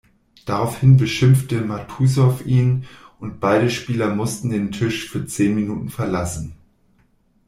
Daraufhin beschimpfte Matusow ihn und beide Spieler mussten den Tisch für zehn Minuten verlassen.